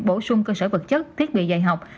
bổ sung cơ sở vật chất thiết bị dạy học